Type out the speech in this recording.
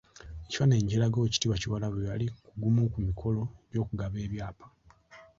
Ekifaananyi ekiraga Oweekitiibwa Kyewalabye bwe yali ku gumu ku mikolo gy’okugaba ebyapa.